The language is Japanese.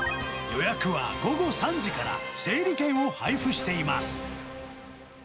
予約は午後３時から、整理券を配布しています。